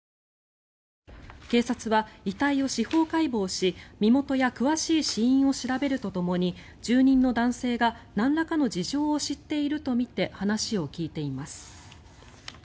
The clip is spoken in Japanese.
警察は遺体を司法解剖し身元や詳しい死因を調べるとともに住人の男性がなんらかの事情を知っているとみて話を聞いています。